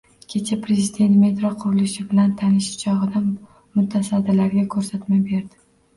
Kecha prezident metro qurilishi bilan tanishish chog'ida mutasaddilarga ko'rsatma berdi.